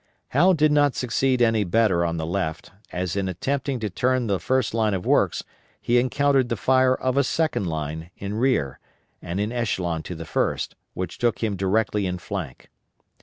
Howe did not succeed any better on the left, as in attempting to turn the first line of works he encountered the fire of a second line in rear and in echelon to the first, which took him directly in flank.